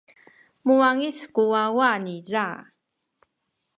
muwangic ku wawa niza.